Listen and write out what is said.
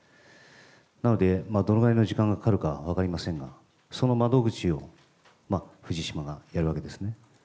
なので、どのぐらいの時間がかかるか分かりませんが、その窓口を藤島がやるわけですね。